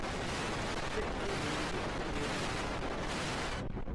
उसने अपनी ज़िन्दगी अपने देश को प्रदान कर दी।